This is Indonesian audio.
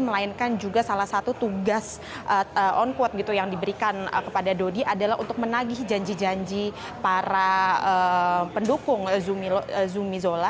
melainkan juga salah satu tugas on quote gitu yang diberikan kepada dodi adalah untuk menagih janji janji para pendukung zumi zola